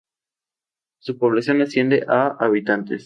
Su población asciende a habitantes.